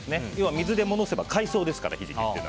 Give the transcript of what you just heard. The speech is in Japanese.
水で戻せば海藻ですから、ヒジキって。